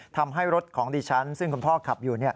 ทำให้รถของดิฉันซึ่งคุณพ่อขับอยู่